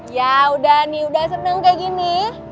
ya udah nih udah seneng kayak gini